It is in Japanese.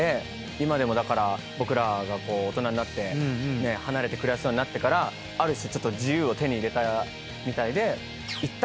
今でもだから僕らが大人になって離れて暮らすようになってから自由を手に入れたみたいで。